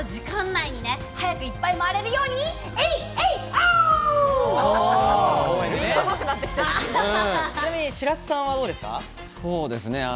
時間内に早くいっぱい回れる白洲さんはどうですか？